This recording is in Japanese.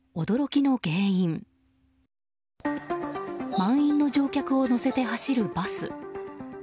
満員の乗客を乗せて走るバス。